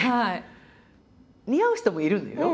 似合う人もいるんだよ。